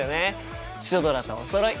シュドラとおそろい！